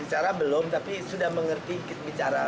bicara belum tapi sudah mengerti bicara